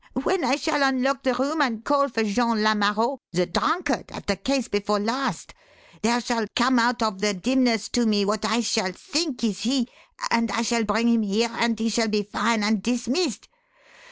When I shall unlock the room and call for Jean Lamareau, the drunkard, at the case before the last, there shall come out of the dimness to me what I shall think is he and I shall bring him here and he shall be fine and dismissed.